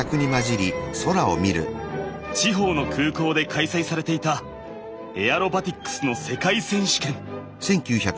地方の空港で開催されていたエアロバティックスの世界選手権。